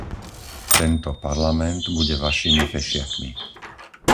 Tento Parlament bude vašimi pešiakmi.